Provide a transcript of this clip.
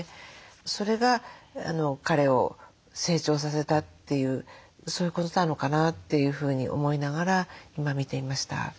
それが彼を成長させたというそういうことなのかなというふうに思いながら今見ていました。